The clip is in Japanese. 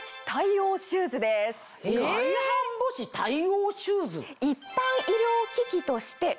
外反母趾対応シューズ。